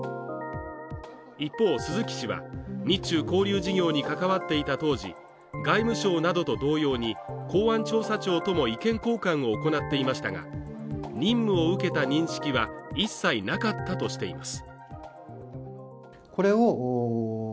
一方鈴木氏は日中交流事業に関わっていた当時、外務省などと同様に、公安調査庁とも意見交換を行っていましたが、任務を受けた認識は一切なかったとしています。